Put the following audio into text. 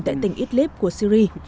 tại tỉnh idlib của syri